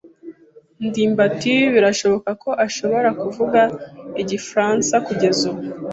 ndimbati birashoboka ko ashobora kuvuga igifaransa kugeza ubu.